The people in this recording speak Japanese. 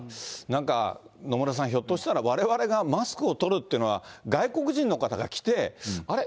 なんか野村さん、ひょっとしたらわれわれがマスクを取るっていうのは、外国人の方が来て、あれ？